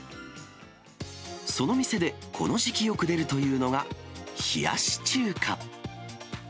その店でこの時期よく出るというのが、冷やし中華。